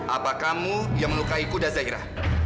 apa kamu yang melukai kuda zaira